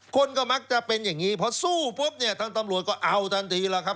คนก็มักจะเป็นอย่างนี้พอสู้ปุ๊บเนี่ยทางตำรวจก็เอาทันทีแล้วครับ